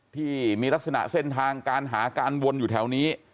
ที่มีลักษณะเส้นทางการหาการวนอยู่แถวนี้